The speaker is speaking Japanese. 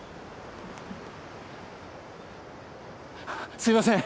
すいません。